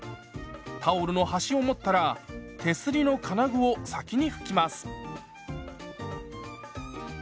タオルの端を持ったら手すりの金具を先に拭きます。